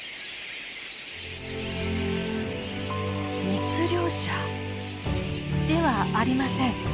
密猟者ではありません。